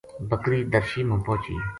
بکری درشی ما پوہچی